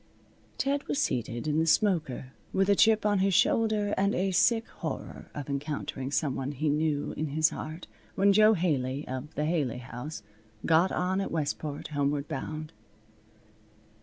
Ted was seated in the smoker, with a chip on his shoulder, and a sick horror of encountering some one he knew in his heart, when Jo Haley, of the Haley House, got on at Westport, homeward bound.